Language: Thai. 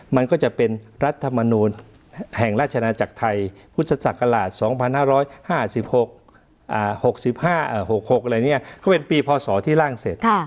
มันก็จะเป็นรัฐธรรมนูลแห่งราชนาจักรไทยพุทธศักราช๒๕๕๖ก็เป็นปีพศที่ล่างเสร็จ